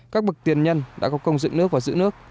các bậc tiền nhân đã có công dựng nước và giữ nước